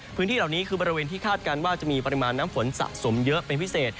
พื้นที่เหล่านี้คือบริเวณที่คาดการณ์ว่าจะมีปริมาณน้ำฝนสะสมเยอะเป็นพิเศษ